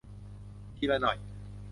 ทีละหน่อย